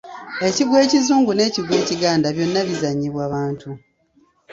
Ekigwo ekizungu n'ekigwo ekiganda byonna bizannyibwa bantu.